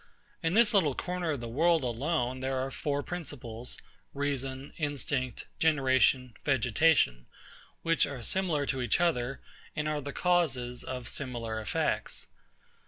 In this little corner of the world alone, there are four principles, reason, instinct, generation, vegetation, which are similar to each other, and are the causes of similar effects.